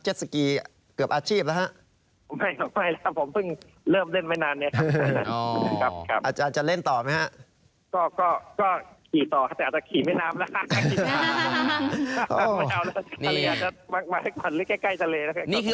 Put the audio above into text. ก็ก็ก็กี่ตอนแถวโรคอันทีแค่ใกล้ทะเลเลยค่ะ